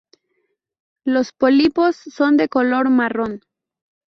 Los pólipos son de color marrón.